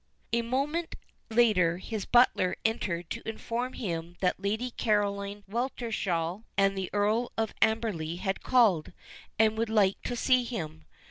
A moment later his butler entered to inform him that Lady Caroline Weltershall and the Earl of Amberley had called, and would like to see him.